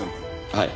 はい。